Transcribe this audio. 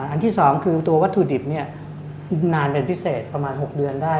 อันที่๒คือตัววัตถุดิบนานเป็นพิเศษประมาณ๖เดือนได้